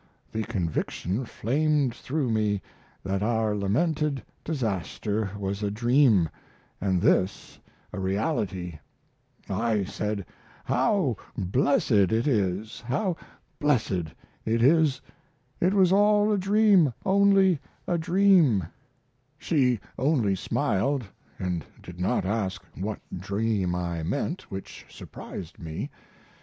The conviction flamed through me that our lamented disaster was a dream, & this a reality. I said, "How blessed it is, how blessed it is, it was all a dream, only a dream!" She only smiled and did not ask what dream I meant, which surprised me.